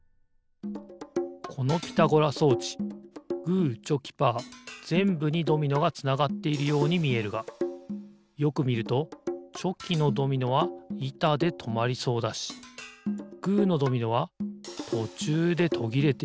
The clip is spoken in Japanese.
このピタゴラ装置グーチョキパーぜんぶにドミノがつながっているようにみえるがよくみるとチョキのドミノはいたでとまりそうだしグーのドミノはとちゅうでとぎれている。